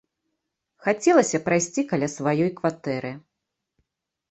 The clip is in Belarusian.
Хацелася прайсці каля сваёй кватэры.